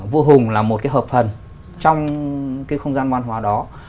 vũ hùng là một hợp phần trong không gian văn hóa đó